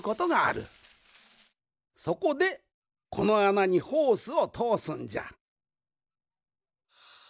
そこでこのあなにホースをとおすんじゃ。